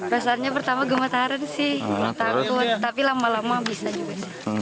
perasaannya pertama gemetaran sih tapi lama lama bisa juga sih